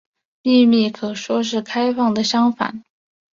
秘密可说是开放的相反。